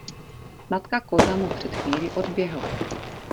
Matka koza mu před chvílí odběhla.